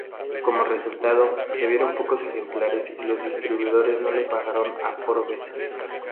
Como resultado, se vendieron pocos ejemplares y los distribuidores no le pagaron a Forbes.